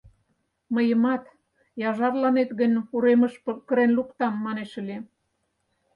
Мыйымат «Яжарланет гын, уремыш кырен луктам» манеш ыле.